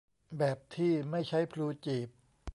แบบที่ไม่ใช้พลูจีบ